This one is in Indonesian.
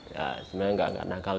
ya sebenarnya enggak nakal